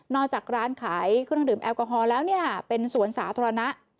จากร้านขายเครื่องดื่มแอลกอฮอลแล้วเนี่ยเป็นสวนสาธารณะ